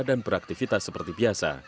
dan beraktivitas seperti biasa